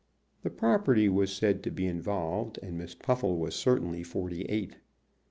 The property was said to be involved, and Miss Puffle was certainly forty eight.